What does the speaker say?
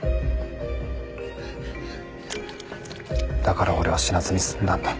だから俺は死なずに済んだんだ。